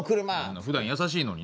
ふだん優しいのにね。